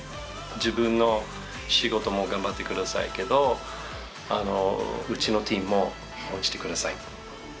自分の仕事も頑張ってくださいけど、うちのチームも応援してください。